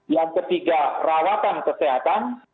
yang ketiga rawatan kesehatan